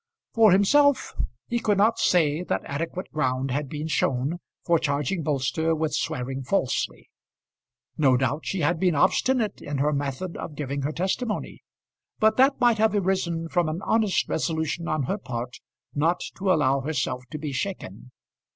For himself, he could not say that adequate ground had been shown for charging Bolster with swearing falsely. No doubt she had been obstinate in her method of giving her testimony, but that might have arisen from an honest resolution on her part not to allow herself to be shaken.